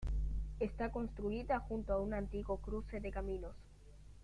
Está construida junto a un antiguo cruce de caminos.